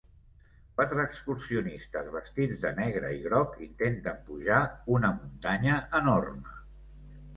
Quatre excursionistes vestits de negre i groc intenten pujar una muntanya enorme.